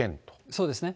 そうですね。